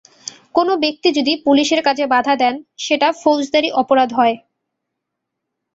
কোনো ব্যক্তি যদি পুলিশের কাজে বাধা দেন সেটা ফৌজদারি অপরাধ হয়।